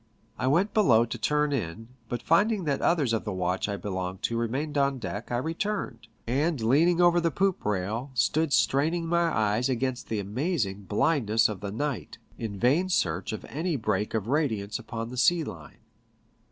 I went below to turn in, but finding that others of the watch I belonged to remained on deck I returned, and leaning over the poop raU. stood Btraining my eyes against the amazing blindness of the night, in vain search of any break of radiance upon the sea line.